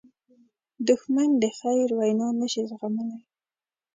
دښمن د خیر وینا نه شي زغملی